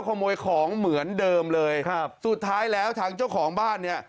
ขโมยของเหมือนเดิมเลยครับสุดท้ายแล้วทางเจ้าของบ้านเนี่ย